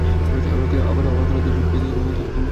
আমি ওকে আবারও আমার গলায় দড়ি বেঁধে ওর হুকুম মতো চলতে দেব না!